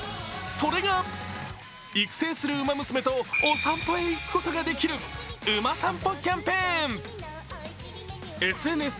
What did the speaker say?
それが育成するウマ娘とお散歩へ行くことができるウマさんぽキャンペーン。